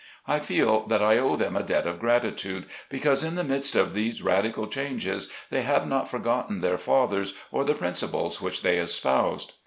I feel that I owe them a debt of gratitude, because in the midst of these radical changes, they have not forgotten their fathers or the principles which they espoused.